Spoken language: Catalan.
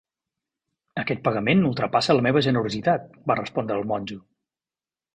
"Aquest pagament ultrapassa la meva generositat", va respondre el monjo.